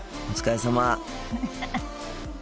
お疲れさま。